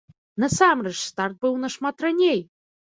Насамрэч, старт быў нашмат раней!